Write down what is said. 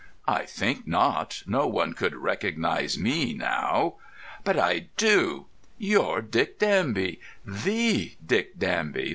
"I think not. No one could recognise me now." "But I do. You're Dick Danby—the Dick Danby.